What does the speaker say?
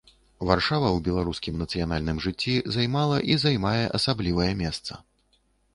Варшава ў беларускім нацыянальным жыцці займала і займае асаблівае месца.